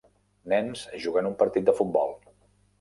Nens jugant un partit de futbol.